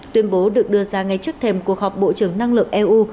tuyên bố được đưa ra ngay trước thềm cuộc họp bộ trưởng năng lượng eu